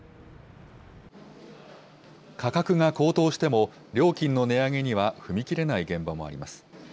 価格が高騰しても、料金の値上げには踏み切れない現場もあります。